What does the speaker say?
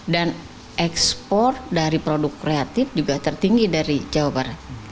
dan ekspor dari produk kreatif juga tertinggi dari jawa barat